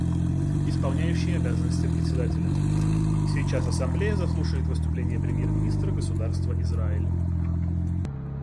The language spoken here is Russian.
Исполняющий обязанности Председателя: Сейчас Ассамблея заслушает выступление премьер-министра Государства Израиль.